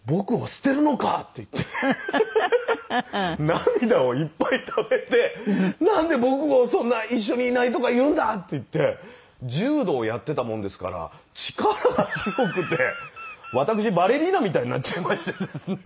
涙をいっぱいためて「なんで僕をそんな一緒にいないとか言うんだ」って言って柔道やってたもんですから力が強くて私バレリーナみたいになっちゃいましてですね。